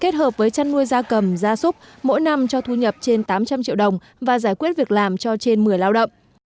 kết hợp với chăn nuôi da cầm da súc mỗi năm cho thu nhập trên tám trăm linh triệu đồng và giải quyết việc làm cho trên một mươi lao động